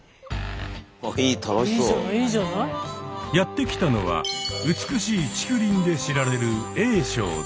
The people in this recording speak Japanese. やって来たのは美しい竹林で知られる英勝寺。